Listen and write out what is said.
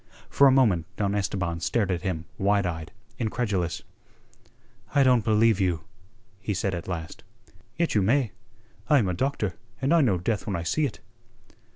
For a moment Don Esteban stared at him wide eyed, incredulous. "I don't believe you," he said at last. "Yet you may. I am a doctor, and I know death when I see it."